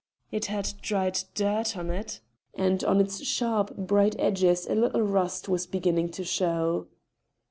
It had dried dirt on it, and on its sharp, bright edges a little rust was beginning to show.